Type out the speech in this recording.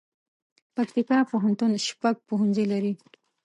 پکتيکا پوهنتون شپږ پوهنځي لري